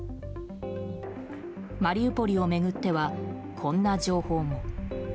マリウポリを巡ってはこんな情報も。